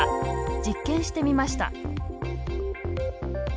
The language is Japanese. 実験してみました。